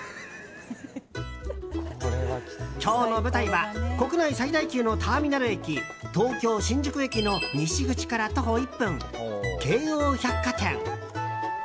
今日の舞台は国内最大級のターミナル駅東京・新宿駅の西口から徒歩１分京王百貨店。